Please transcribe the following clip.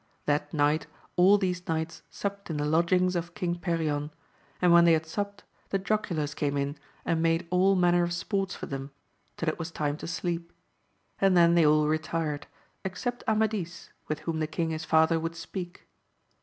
That night all these knights supped in the lodgings of King Perion; and when they had supped, the Joculars came in and made all 17—2 2G0 AMADIS OF GAUL. manner of sports for them, till it was time to sleep, and then they all retired, except Amadis, with whom the king his father would speak.